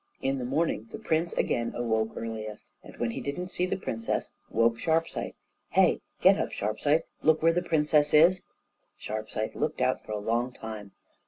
In the morning the prince again awoke earliest, and, when he didn't see the princess, woke Sharpsight. "Hey! get up, Sharpsight! look where the princess is!" Sharpsight looked out for a long time.